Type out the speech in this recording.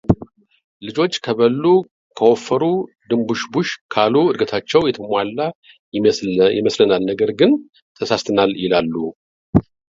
ልጆች ከበሉ ከወፈሩ ድንቡሽቡሽ ካሉ ዕድገታቸው የተሟላ ይመስለናል ነገር ግን ተሳስተናል ይላሉ።